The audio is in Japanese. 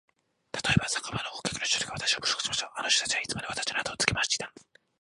たとえば、酒場のお客の一人がわたしを侮辱しました。あの人たちはいつでもわたしのあとをつけ廻していたんです。